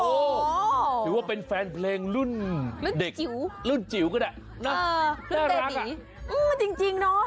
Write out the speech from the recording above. โอ้โหถือว่าเป็นแฟนเพลงรุ่นเด็กรุ่นจิ๋วก็ได้เออรุ่นเต้นอีกอืมจริงจริงเนาะ